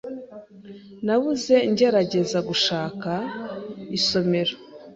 Nabuze ngerageza gushaka isomero.